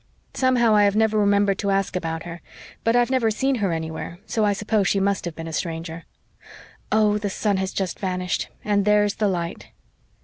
Somehow I have never remembered to ask about her. But I've never seen her anywhere, so I suppose she must have been a stranger. Oh, the sun has just vanished and there's the light."